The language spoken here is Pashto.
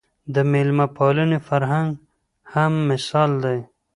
د مېلمه پالنې فرهنګ هم مثال دی